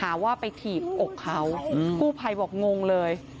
หาว่าไปถีกออกเขาและบอกว่าให้ไข